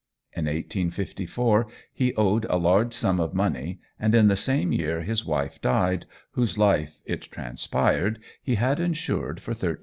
In 1854 he owed a large sum of money, and in the same year his wife died, whose life, it transpired, he had insured for £13,000.